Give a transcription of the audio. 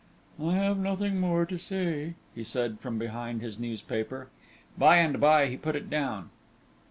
"I have nothing more to say," he said from behind his newspaper. By and by he put it down.